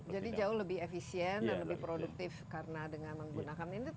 jadi jauh lebih efisien dan lebih produktif karena dengan menggunakan ini